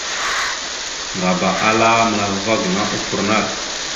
Ŋgaba ala məla ava gaŋa offor naɗ.